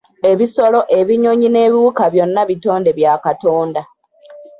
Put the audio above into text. Ebisolo, ebinyonyi n’ebiwuka byonna bitonde bya Katonda.